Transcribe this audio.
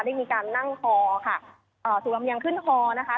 ได้มีการนั่งคอค่ะเอ่อถูกลำเลียงขึ้นฮอนะคะ